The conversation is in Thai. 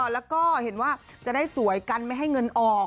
แล้วก็เห็นว่าจะได้สวยกันไม่ให้เงินออก